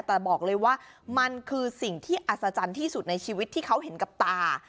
แต่บอกเลยว่ามันคือสิ่งที่อัศจรรย์ที่สุดในชีวิตที่เขาเห็นกับตา